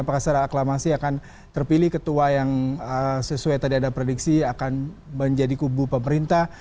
apakah secara aklamasi akan terpilih ketua yang sesuai tadi ada prediksi akan menjadi kubu pemerintah